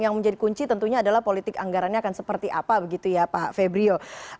yang menjadi kunci tentunya adalah politik anggarannya akan seperti apa begitu ya pak febrio